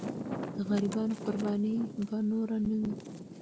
د غریبانو قرباني به نور نه وي.